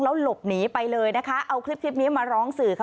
แล้วหลบหนีไปเลยนะคะเอาคลิปนี้มาร้องสื่อค่ะ